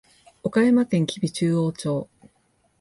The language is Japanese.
岡山県吉備中央町